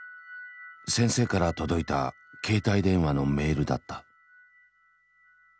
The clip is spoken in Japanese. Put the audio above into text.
先生から届いた携帯電話のメールだった。